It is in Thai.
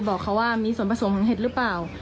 บอกเขาว่ามีส่วนผสมของเห็ดหรือเปล่า